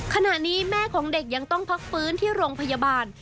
ขณะนี้แม่ของเด็กยังต้องพักฟื้นที่โรงพยาบาล